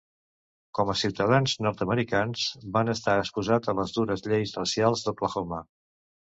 Com a ciutadans nord-americans van estar exposats a les dures lleis racials d'Oklahoma.